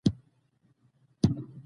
زه د ځان په اړه مثبت فکر لرم.